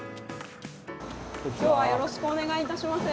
きょうはよろしくお願いいたします。